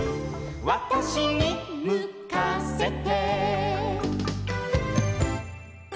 「わたしにむかせて」